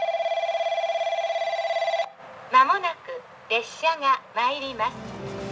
「まもなく列車が参ります」